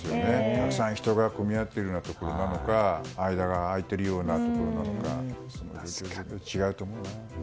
たくさん人が混み合っているところなのか間が空いているようなところなのかで違うと思うな。